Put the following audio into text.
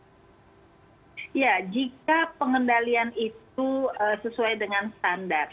ya jika pengendalian itu sesuai dengan standar